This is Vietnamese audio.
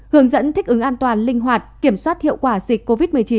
hướng dẫn thích ứng an toàn linh hoạt kiểm soát hiệu quả dịch covid một mươi chín